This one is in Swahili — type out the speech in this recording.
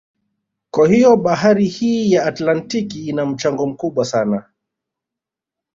Kwa hiyo bahari hii ya Atlantiki ina mchango mkubwa sana